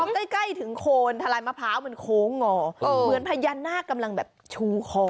ใกล้ถึงโคนทลายมะพร้าวมันโค้งงอเหมือนพญานาคกำลังแบบชูคอ